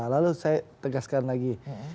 lalu saya tegaskan lagi